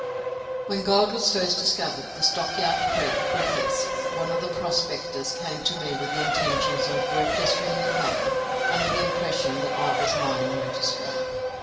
When gold was first discovered at Stockyard Creek, Griffiths, one of the prospectors, came to me with the intention of registering the claim, under the impression that I was Mining Registrar.